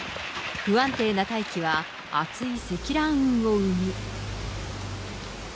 不安定な大気は厚い積乱雲を生む。